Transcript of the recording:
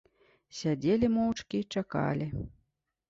Сядзелі моўчкі й чакалі.